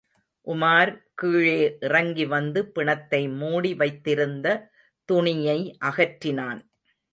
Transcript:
உமார் கீழே இறங்கிவந்து பிணத்தை மூடி வைத்திருந்த துணியை அகற்றினான்.